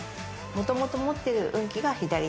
もともと持っている運気が左手。